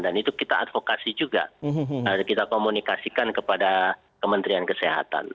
dan itu kita advokasi juga kita komunikasikan kepada kementerian kesehatan